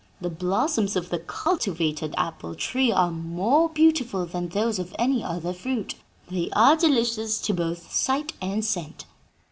The blossoms of the cultivated apple tree are more beautiful than those of any other fruit; they are delicious to both sight and scent."